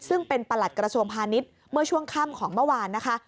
ซึ่งเป็นประหลัดกระทรวงพาณิชย์เมื่อช่วงค่ำของเมื่อวานนะคะ